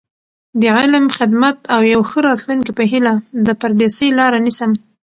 د علم، خدمت او یو ښه راتلونکي په هیله، د پردیسۍ لاره نیسم.